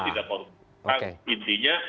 tidak korup intinya